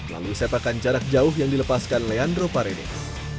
lalu sepakan jarak jauh yang dilepaskan leandro paredes